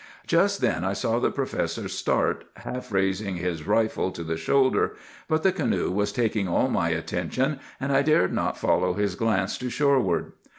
"Just then I saw the professor start, half raising his rifle to the shoulder; but the canoe was taking all my attention, and I dared not follow his glance to shoreward.